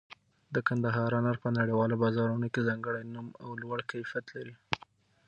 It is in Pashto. د کندهار انار په نړیوالو بازارونو کې ځانګړی نوم او لوړ کیفیت لري.